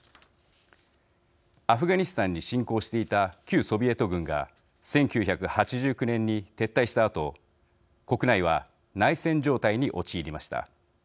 アフガニスタンに侵攻していた旧ソビエト軍が１９８９年に撤退したあと国内は内戦状態に陥りました。